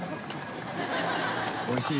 おいしい？